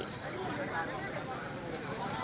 gangnam selamat masse hal gee asib polris sabari olgo zen